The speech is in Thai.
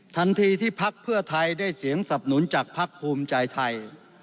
ทันทีที่พักเพื่อไทยได้เสียงสับหนุนจากภักดิ์ภูมิใจไทย